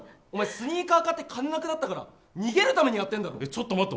スニーカー買って金なくなったから逃げるためにやってるんだろ？